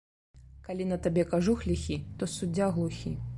Калі на табе кажух ліхі, то суддзя глухі